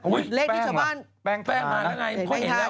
อุ๊ยแป้งเหรอแป้งมาด้านในเพราะเห็นแล้ว